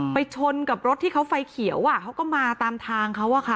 ชนกับรถที่เขาไฟเขียวเขาก็มาตามทางเขาอะค่ะ